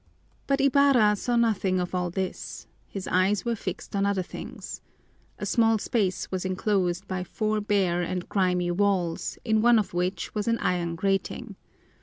But Ibarra saw nothing of all this his eyes were fixed on other things. A small space was enclosed by four bare and grimy walls, in one of which was an iron grating.